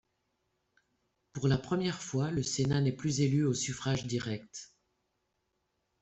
Pour la première fois, le Sénat n'est plus élu au suffrage direct.